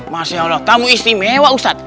masya allah kamu istimewa ustadz